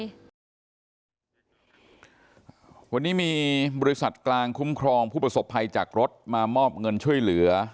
วันนี้มีบริษัทกลางคุ้มครองผู้ประสบภัยจากรถมามอบเงินช่วยเหลือ